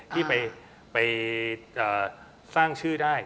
ที่ไปสร้างชื่อได้